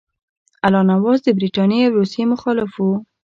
الله نواز د برټانیې او روسیې مخالف وو.